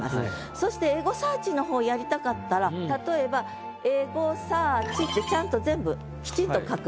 そして「エゴサーチ」の方やりたかったら例えば「エゴサーチ」ってちゃんと全部きちんと書く。